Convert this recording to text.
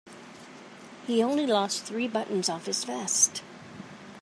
He only lost three buttons off his vest.